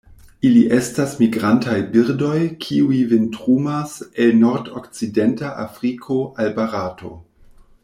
Ili estas migrantaj birdoj, kiuj vintrumas el nordokcidenta Afriko al Barato.